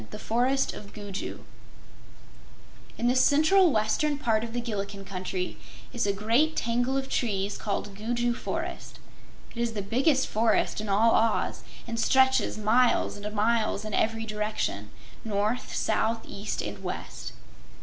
7. The Forest of Gugu In the central western part of the Gillikin Country is a great tangle of trees called Gugu Forest. It is the biggest forest in all Oz and stretches miles and miles in every direction north, south, east and west.